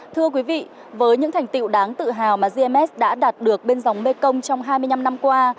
thưa quý vị với những thành tiệu đáng tự hào mà gms đã đạt được bên dòng mekong trong hai mươi năm năm qua